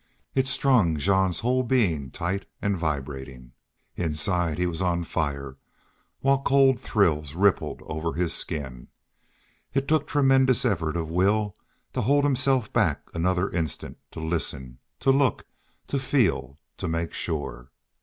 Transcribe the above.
It strung Jean's whole being tight and vibrating. Inside he was on fire while cold thrills rippled over his skin. It took tremendous effort of will to hold himself back another instant to listen, to look, to feel, to make sure.